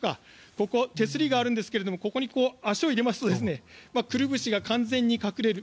ここ、手すりがありますがここに足を入れますとくるぶしが完全に隠れる。